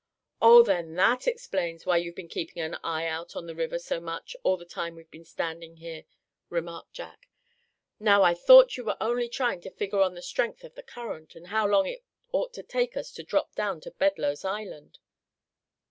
"Oh! then that explains why you've been keeping an eye out on the river so much all the time we've been standing here," remarked Jack. "Now, I thought you were only trying to figure on the strength of the current, and how long it ought to take us to drop down to Bedloe's Island."